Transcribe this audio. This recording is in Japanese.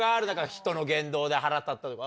ひとの言動で腹立ったとか。